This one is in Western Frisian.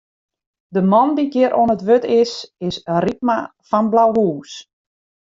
De man dy't hjir oan it wurd is, is Rypma fan Blauhûs.